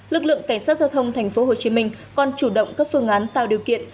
lực lượng cảnh sát giao thông tp hcm còn chủ động các phương án tạo điều kiện